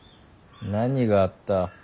何があった。